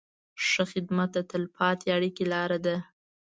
ښه خدمت د تل پاتې اړیکې لاره ده.